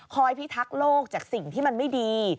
พิทักษ์โลกจากสิ่งที่มันไม่ดี